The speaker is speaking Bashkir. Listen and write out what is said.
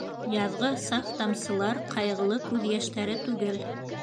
Яҙғы саф тамсылар ҡайғылы күҙ йәштәре түгел.